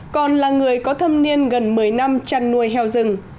còn là người có thâm niên gần một mươi năm chăn nuôi heo rừng